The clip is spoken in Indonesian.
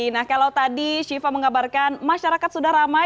nah kalau tadi shiva mengabarkan masyarakat sudah ramai